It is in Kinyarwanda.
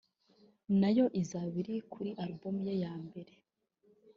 nayo izaba iri kuri album ye ya mbere